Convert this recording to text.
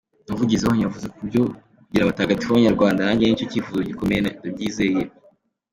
Umuvugizi wanyu yavuze kubyo kugira abatagatifu b’abanyarwanda, nanjye nicyo cyifuzo gikomeye, ndabyizeye.